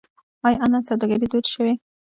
آیا آنلاین سوداګري دود شوې؟